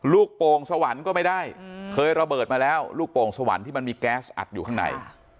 โป่งสวรรค์ก็ไม่ได้เคยระเบิดมาแล้วลูกโป่งสวรรค์ที่มันมีแก๊สอัดอยู่ข้างใน